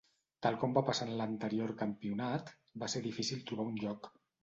Tal com va passar en l'anterior campionat, va ser difícil trobar un lloc.